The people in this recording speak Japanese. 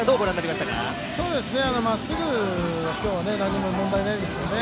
まっすぐは今日は何も問題ないですよね。